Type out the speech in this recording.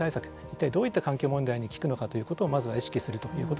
一体どういった環境問題に効くのかということをまずは意識するということが一つですね。